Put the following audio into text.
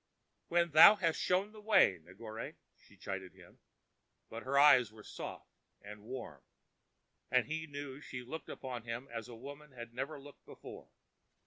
"When thou hast shown the way, Negore," she chided him; but her eyes were soft, and warm, and he knew she looked upon him as woman had never looked before.